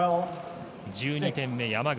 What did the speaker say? １２点目、山口。